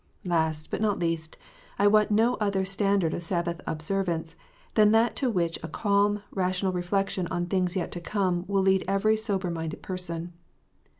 Last, but not least, I want no other standard of Sabbath observance than that to which a calm, rational reflection on things yet to come, will lead every sober minded person.